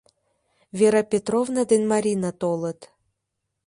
Вера Петровна ден Марина толыт.